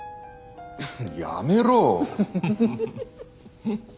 やめろ。